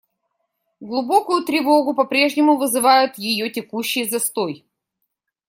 Глубокую тревогу по-прежнему вызывает ее текущий застой.